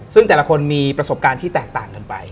ซึ่งแต่ละคนมีประสบการณ์ที่แตกต่างกันไป